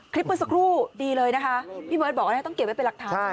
คลิปเมื่อสักครู่ดีเลยนะคะพี่เมิดบอกว่าเนี่ยต้องเก็บไว้เป็นหลักฐานใช่ไหม